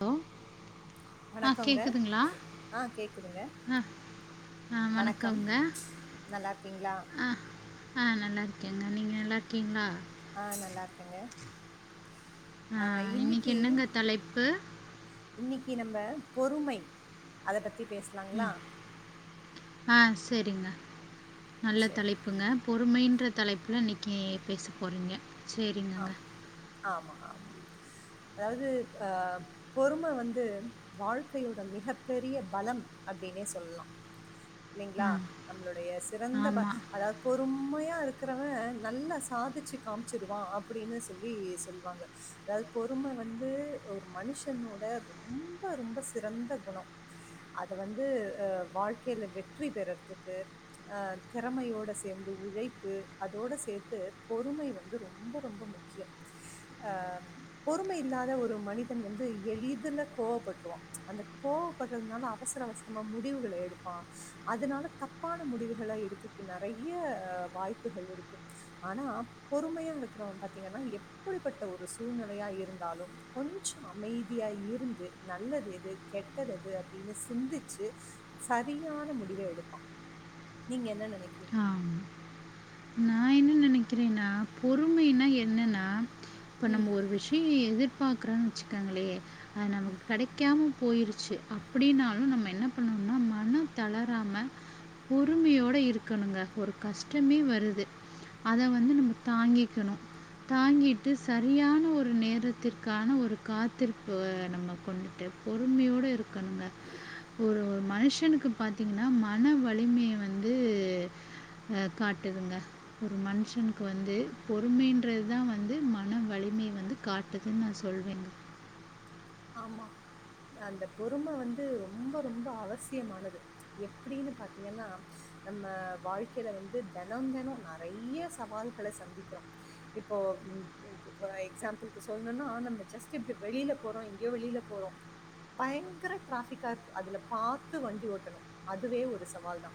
அ வணக்கங்க ஆ கேக்குதுங்க ஆ ஆ வணக்கம் வணக்கங்க நல்லா இருக்கீங்களா ஆ ஆ நல்லாருக்கேங்க நீங்க நல்லாருக்கீங்களா ஆ நல்லாருக்கேங்க ஆ இன்னிக்கு என்னங்க தலைப்பு இன்னிக்கு நம்ம பொறுமை அத பத்தி பேசலாங்களா ஆ செரிங்க நல்ல சரி தலைப்புங்க பொறுமையின்ற தலைப்புல இன்னிக்கி பேச போறீங்க சேரிங்கங்க ஆ அதாது ஆ பொறும வந்து வாழ்க்கையோட மிக பெரிய பலம் அப்டினே சொல்லலா இல்லிங்களா ஆ நம்மளுடைய சிறந்த ப ஆமாம் அதாது பொறுமையா இருக் இருக்கிறவ நல்லா சாதிச்சு காமிச்சடுவா அப்டி அப்டின்னு சொல்லி சொல்லுவாங்க அதாது பொறுமை வந்து ஒரு மனுஷனோட ரொம்ப ரொம்ப சிறந்த குண அத வந்து அ வாழ்க்கையில வெற்றி பெறதுக்கு அ திறமையோட சேந்து உழைப்பு அதோட சேத்து பொறுமை வந்து ரொம்ப ரொம்ப முக்கிய அ பொறுமை இல்லாத ஒரு மனிதன் வந்து எளிதுல கோவப்படுவா அந்த கோவப்படுறதுனால அவசர அவசரமா முடிவுகள எடுப்பா அதனால தப்பான முடிவுகள எடுக்குறதுக்கு நெறைய வாய்ப்புகள் இருக்கு ஆனா பொறுமையா இருக் அப்பறம் பாத்தீங்கன்னா எப்டிப்பட்ட ஒரு சூழ்நிலையா இருந்தாலு கொஞ்ச அமைதியா இருந்து நல்லது எது கெட்டது எது அப்டின்னு சிந்திச்சு சரியான முடிவ எடுப்பா நீங்க என்ன நெனைக்கிறீங்க ஆ ந பொறுமைனா என்னன்னா இப்ப ம் நம்ம ஒரு விஷ்ய எதிர்த் பாக்குறே வச்சுக்கோங்களே அது நமக் கெடைக்காம போயிருச்சு அப்டின்னாலும் நம்ம என்ன பண்ணோம்னா மனம் தளராம பொறுமையோடு இருக்கணுங்க ஒரு கஷ்டமே வருது அத வந்து நம்ம தாங்கிக்கணு தாங்கிட்டு சரியான ஒரு நேரத்திற்கான ஒரு காத்திருப்பு நம்ம கொண்டுட்டு பொறுமையோடு இருக்கணுங்க ஒரு மனுஷனுக்கு பாத்தீங்கன்னா மன வலிமைய வந்து அ காட்டுதுங்க ஒரு மனுஷனுக்கு இப்போ வந்து பொறுமைன்றது தா வந்து மன வலிமை வந்து காட்டுதுன்னு நா சொல்வேங்க ஆமா அந்த பொறும வந்து ரொம்ப ரொம்ப அவசியமானது ம் எப்டின்னு பாத்தீங்கன்னா நம்ம வாழ்க்கையில வந்து தெனம் தெனம் நெறைய சவால்கள சந்திக்கிறோ இப்போ எக்ஸாம்பிள் சொல்லணும்னா நம்ம ஜஸ்ட் இப்ப வெளியில போறோ எங்யோ வெளியில போறோ பயங்கர ட்ராஃபிக்கா இருக்கு அதுல பாத்து வண்டி ஓட்டணு அதுவே ஒரு சவால் தா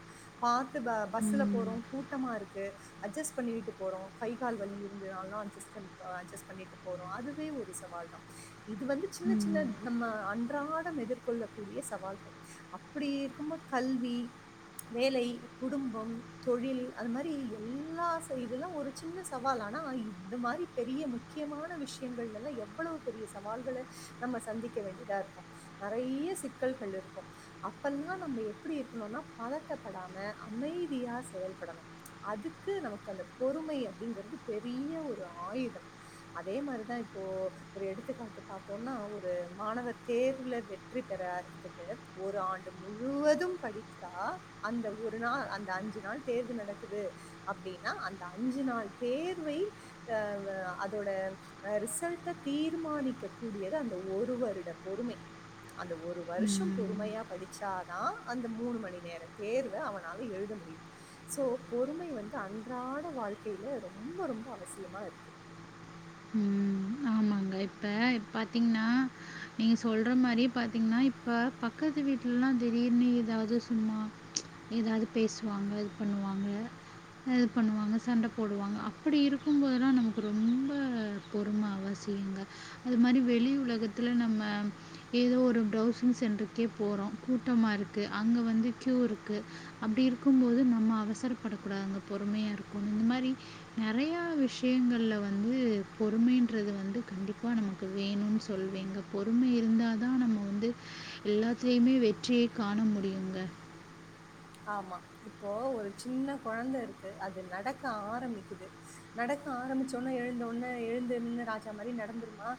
பாத்து பஸ்ல ம். போறோ கூட்டமா இருக்கு அஜ்ஜஸ்ட் பண்ணிட்டு போறோ கை கால் வழி இருந்தனாலா அஜ்ஜஸ்ட் பண்ணிட்டு போறோ அதுவே ஒரு சவால் தா இது வந்து சின்ன சின்ன ம். நம்ம அன்றாட எதிர்கொள்ளக்கூடிய சவால்கள் அப்டி இருக்கும்போது கல்வி வேலை குடும்பம் தொழில் அது மாரி எல்லாசைடுலு ஒரு சின்ன சவால் ஆனா இந்த மாரி பெரிய முக்கியமான விஷயங்கள்ல எல்லா எவ்வளவு பெரிய சவால்கள நம்ம சந்திக்க வேண்டியதா இருக்கு நெறைய சிக்கல்கள் இருக்கு அப்பெல்லா நம்ம எப்டி இருக்கணும்னா பதட்டப்படாம அமைதியா செயல்படணு அதுக்கு நமக்கு அந்த பொறுமை அப்டிங்கிறது பெரிய ஒரு ஆயுத அதே மாரிதா இப்போ ஒரு எடுத்துக்காட்டு பாத்தோம்னா ஒரு மாணவர் தேர்வுல வெற்றி பெறார் ஒரு ஆண்டு முழுவதும் படித்தா அந்த ஒரு நாள் அந்த அஞ்சு நாள் தேர்வு நடக்குது அப்டின்னா அந்த அஞ்சு நாள் தேர்வை அவ அதோட ரிசல்ட்ட தீர்மானிக்க கூடியது அந்த ஒரு வருட பொறுமை அந்த ஒரு வருஷ ம். பொறுமையா படி சாதா அந்த மூணு மணி நேர தேர்வ அவனால எழுத முடியு சோ பொறுமை வந்து அன்றாட வாழ்க்கையில ரொம்ப ரொம்ப அவசியமா இருக்கு ம் ஆமாங்க இப்போ பாத்தீங்கன்னா நீங்க சொல்ற மாரி பாத்தீங்கன்னா இப்போ பக்கத்து வீட்டலலா திடீர்னு எதாவது சும்மா ம் ச் ஏதாது பேசுவாங்க இது பண்ணுவாங்க இது பண்ணுவாங்க சண்ட போடுவாங்க அப்டி இருக்கும்போதெல்லா நமக்கு ரொம்ப ப்பு பொறும அவசியங்க அது மாரி வெளி உலகத்துல நம்ம ஏதோ ஒரு ப்வுசிங் சென்டருக்கே போறோ கூட்டமா இருக்கு அங்க வந்து க்யூ இருக்கு அப்டி இருக்கு போது நம்ம அவசரப்படக்கூடாது பொறுமையா இருக்கு இந்த மாரி நெறையா விஷயங்கள்ல வந்து வந்து பொறுமைன்றது வந்து கண்டிப்பா நமக்கு வேணும்னு சொல்வேங்க பொறுமை இருந்தால் தா நம்ம வந்து எல்லாத்துலயுமே வெற்றியை காண முடியுங்க ஆமா இப்போ ஒரு சின்ன கொழந்த இருக்கு அது நடக்க ஆரம்பிக்குது நடக்க ஆரம்பிச்ச உன்ன எழுந்த உன்ன எழுந்து எழுந்த ராஜா மாரி நடந்துருமா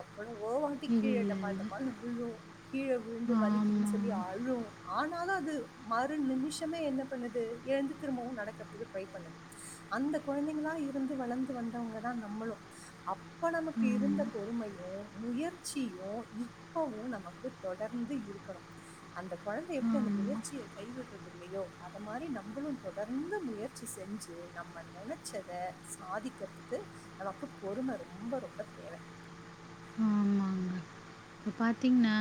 எப் அட ஓவாட்டி இல்லை கீழ இல்லை டமால்டமால்னு விழு கீழ விழுந்து வலிக்குதுன்னு சொல்லி ஆமாம் அழு ஆனாலு அது மறு நிமிஷமே என்ன பண்ணுது எழுந்து திரும்பவு நடக்கிறதுக்கு ட்ரை பண்ணுது அந்த குழந்தைங்களா இருந்து வளர்ந்து வந்தவங்க தா நம்மளு அப்ப நமக்கு இருந்த ஆமாம் பொறுமையு முயற்சியு இப்பவு நமக்கு தொடர்ந்து இருக்கணு அந்த குழந்த எப்படி அந்த ஆமா, முயற்சிய கைவிடுறது இல்லையோ அத மாரி நம்மளு தொடர்ந்து முயற்சி செஞ்சு நம்ம நனைச்சத சாதிக்கிறதுக்கு நமக்கு பொறும ரொம்ப ரொம்ப தேவ இப்போ பார்த்தீங்ன்னா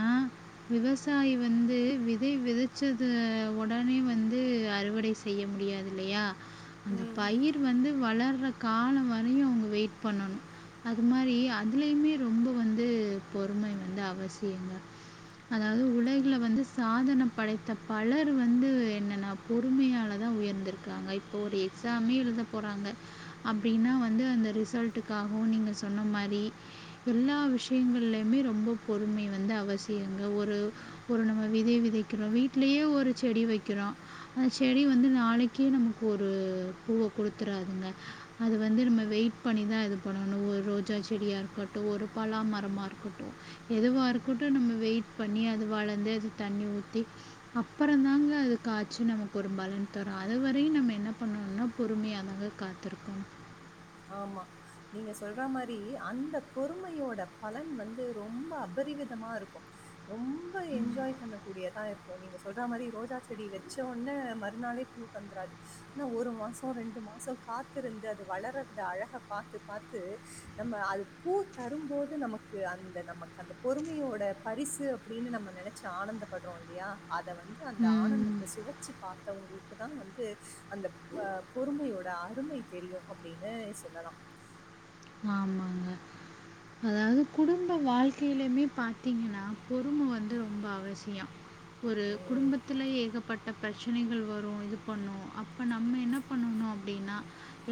விவசாயி வந்து விதை விதைச்சது உடனே வந்து அறுவடை செய்ய முடியாது இல்லையா அந்த ம். பயிர் வந்து வளர்ற காலோ வரையு அவங்க வெயிட் பண்ணணு அது மாரி அதுலேயுமே ரொம்ப வந்து பொறுமை வே வந்து அவசியங்க அதாவது உலகுல வந்து சாதனை படைத்த பலர் வந்து என்னன்னா பொறுமையாலதா உயர்ந்திருக்காங்க இப்ப ஒரு எக்ஸாமே எழுத போறாங்க அப்டின்னா வந்து அந்த ரிசல்ட்டுக்காகவு நீங்க சொன்ன மாரி எல்லா விஷயங்கள்லமே ரொம்ப பொறுமை வந்து அவசியங்க ஒரு ஒரு நம்ம விதை விதைக்கிறோ வீட்லயே ஒரு செடி வைக்கிறோ அந்த செடி வந்து நாளைக்கே நமக்கு ஒரு பூவ கொடுத்துராதுங்க அது வந்து நம்ம வெயிட் பண்ணிதா இது பண்ணணு ஒரு ரோஜா செடியா இருக்கட்டு ஒரு பலாமரமா இருக்கட்டு எதுவா இருக்கட்ட நம்ம வெயிட் பண்ணி அது வளர்ந்து அது தண்ணி ஊத்தி அப்புற தாங்க அது காய்ச்சு நமக்கு ஒரு பலனு தரு அதுவரையு நம்ம என்ன பண்ணோனா பொறுமையாதாங்க காத்திருக்கனு ஆமா நீங்க சொல்ற மாரி அந்த பொறுமையோட பலன் வந்து ரொம்ப அபரிவிதமா இருக்கு ரொம்ப என்ஜாய் பண்ண கூடியதா இருக்கு நீங்க சொல்ற மாரி ரோஜா செடி வச்சோனே மறுநாளே பூ தந்துறாது ஆனா ஒரு மாசோ ரெண்டு மாசோ காத்திருந்து அது வளரது அந்த அழக பாத்து பாத்து ச் நம்ம அது பூ தரும்போது நமக்கு அந்த நமக்கு அந்த பொறுமையோட பரிசு அப்படின்னு நம்ம நனைச்சு ஆனந்தப்படுறோ இல்லையா வந்து அந்த ம். ஆனந்தத்த சுவச் ச் பாத்தவங்களுக்குதா வந்து அந்த பொறுமையோட அருமை தெரியு அப்டின் எ சொல்லலா ஆமாங்க அதாவது குடும்ப வாழ்க்கையிலுமே பாத்தீங்கன்னா பொறும வந்து ரொம்ப அவசியோ ஒரு ம். குடும்பத்துல ஏகப் பட்ட பிரச்சனைகள் வரு இது பண்ணு அப்ப நம்ம என்ன பண்ணணு அப்டின்னா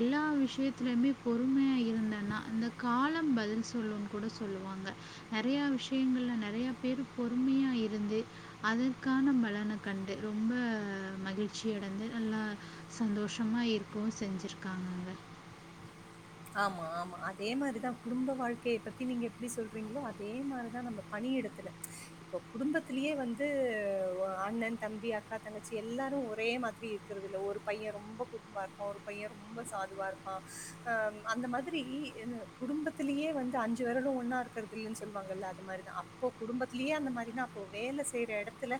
எல்லா விஷயத்திலயுமே பொறுமையா இருந்த ன்னா அந்த காலம் பதில் சொல்லும்னு கூட சொல்லுவாங்க நறையா விஷயங்கள்ல நறையா பேர் பொறுமையா இருந்து அதற்கான பலன கண்டு ரொம்ப மகிழ்ச்சி அடைந்து நல்லா சந்தோஷமா இருக்கவு செஞ்சிருக்காங்கங்க ஆமா ஆமா அதே மாரிதா குடும்ப வாழ்க்கைய பத்தி நீங்க எப்படி சொல்றீங்களோ அதே மாரிதா நம்ம பணி எடத்துல இப்போ குடும்பத்திலயே வந்து அண்ணன் தம்பி அக்கா தங்கச்சி எல்லாரு ஒரே மாதிரி இருக்கிறது இல்ல ஒரு பையே ரொம்ப குரும்பா இருப்பா ஒரு பையே ரொம்ப சாதுவா இருப்பா அ அந்த மாதிரி குடும்பத்திலேயே வந்து அஞ்சு வெரலு ஒன்னா இருக்றது இல்லைன்னு சொல்லுவாங்கல்ல அந்த மாரிதா அப்போ குடும்பத்திலயே அந்த மாரினா அப்போ வேல செய்ற எடத்துல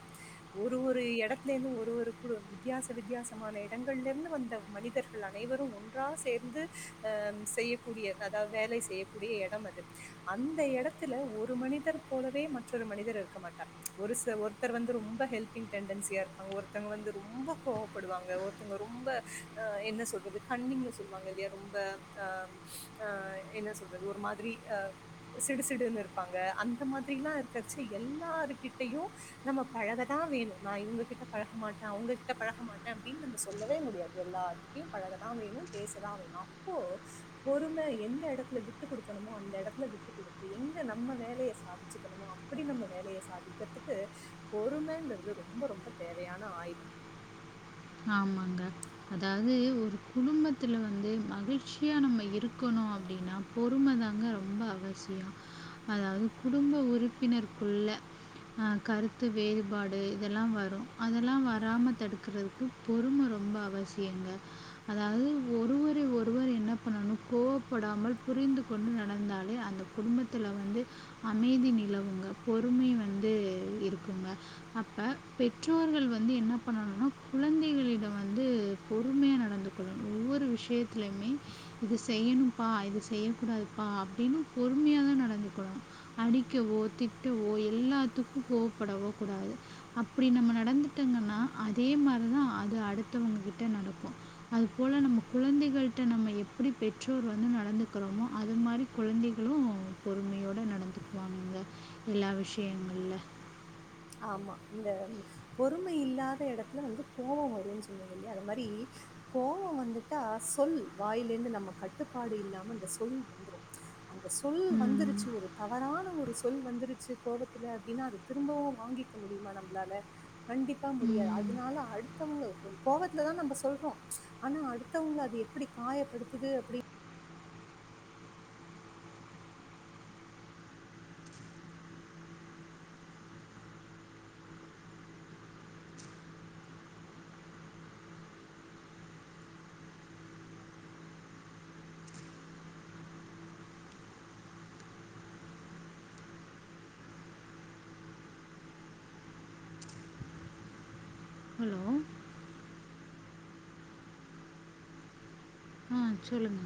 ஒரு ஒரு எடத்துல இருந்து ஒரு ஒரு குழு வித்தியாச வித்தியாசமான இடங்கள்ல இருந்து வந்த மனிதர்கள் அனைவரு ஒன்றாக சேர்ந்து ஆம் செய்யக்கூடிய அதாவ வேலை செய்யக்கூடிய எடம் அது அந்த எடத்துல ஒரு மனிதர் போலவே மற்றொரு மனிதர் இருக்க மாட்டார் ஒரு ஒருத்தர் வந்து ரொம்ப ஹெல்பிங் டெண்டன்சியா இருப்பாங்க ஒருத்தங்க வந்து ரொம்ப கோவப்படுவாங்க ஒருத்தங்க ரொம்ப அ என்ன சொல்றது கண்ணிங்னு சொல்லுவாங்க இல்லையா ரொம் ஆ ஆ அ என்ன சொல்றது ஒரு மாதிரி ஆ சிடுசிடுன்னு இருப்பாங்க அந்த மாதிரில்லா இருக்கச்ச எல்லார்கிட்டயு நம்ம பழகதா வேணு நா இவங்க கிட்ட பழக மாட்டே அவங்ககிட்ட பழக மாட்டே அப்டின்னு நம்ம சொல்லவே முடியாது எல்லார்கிட்டயு பழகதா வேணு பேசதா வேணு அப்போ பொறும எந்த எடத்துல விட்டு குடுக்கணுமோ அந்த எடத்துல விட்டு குடுத்து எங்க நம்ம வேலய சாதிச்சுக்கணுமோ அப்படி நம்ம வேலய சாதிக்றதுக்கு பொறுமன்றது ரொம்ப ரொம்ப தேவையான ஆயுதம் ஆமாங்க அதாவது ஒரு குடும்பத்துல வந்து மகிழ்ச்சியா நம்ம இருக்கணு அப்டின்னா பொறும தாங்க ரொம்ப அவசியோ அதாவது குடும்ப உறுப்பினருக்குள்ள அ கருத்து வேறுபாடு இதலா வரு அதலா வராம தடுக்குறதுக்கு பொறும ரொம்ப அவசியங்க அதாவது ஒருவரை ஒருவர் என்ன பண்ணணு கோவப்படாமல் புரிந்து கொண்டு நடந்தாலே அந்த குடும்பத்துல வந்து அமைதி நிலவுங்க பொறுமை வந்து இருக்குங்க அப்ப பெற்றோர்கள் வந்து என்ன பண்ணணும்னா குழந்தைகளிடோ வந்து பொறுமையா நடந்துக்கொள்ளணு ஒவ்வொரு விஷயத்துலயுமே இது செய்யணும்ப்பா இது செய்யக்கூடாதுப்பா அப்டின்னு பொறுமையா தா நடந்துக்கொள்ளணு அடிக்கவோ திட்டவோ எல்லாத்துக்கு கோவப்படவோ கூடாது அப்டி நம்ம நடந்துட்டேங்கன்னா அதே மாரி தா அது அடுத்தவங்க கிட்ட நடக்கு அது போல நம்ம குழந்தைகள்ட்ட நம்ம எப்டி பெற்றோர் வந்து நடந்துக்குறோமோ அது மாரி குழந்தைகளு பொறுமையோட நடந்துக்குவாங்கங்க எல்லா விஷயங்கள்ல ஆமா அந்த பொறுமை இல்லாத எடத்துல வந்து கோவ வரும்ன்னு சொன்னீங்க இல்லையா அது மாரி கோவ வந்துட்டா சொல் வாயில இருந்து நம்ம கட்டுப்பாடு இல்லாம அந்த சொல் வந்துரு அந்த சொல் வந்துருச்சு ஒரு தவறான ஒரு சொல் வந்துருச்சு கோவத் அப்டின்னா அது திரும்பவு வாங்கிக்க முடியுமா நம்மளால கண்டிப்பா முடியாது அதனால அடுத்தவங்க கோவத்துலதா நம்ம சொல்றோ ஆனா அடுத்தவங்க அது எப்பிடி காயப்படுத்துது அப்பிடி ஹலோ ஆ சொல்லுங்க